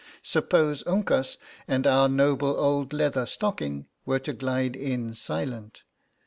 Suppose Uncas and our noble old Leather Stocking were to glide in silent?